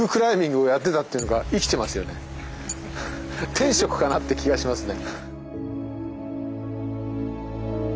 天職かなって気がしますね。